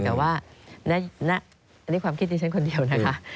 แต่ว่าอันนี้ความคิดดิฉันคนเดียวนะคะ